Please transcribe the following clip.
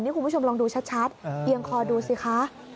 คุณผู้ชมลองดูชัดเอียงคอดูสิคะ